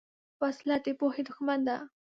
وسله د پوهې دښمن ده